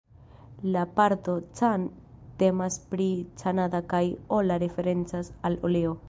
La parto "Can" temas pri Canada kaj "ola" referencas al oleo.